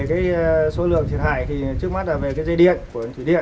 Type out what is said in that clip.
về số lượng thiệt hại thì trước mắt là về dây điện của thủy điện